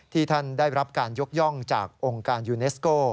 ท่านได้รับการยกย่องจากองค์การยูเนสโก